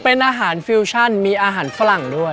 เป็นอาหารฟิวชั่นมีอาหารฝรั่งด้วย